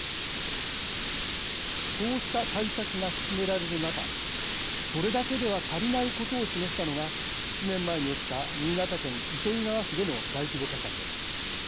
こうした対策が進められる中それだけでは足りないことを示したのが７年前に起きた新潟県糸魚川市での大規模火災です。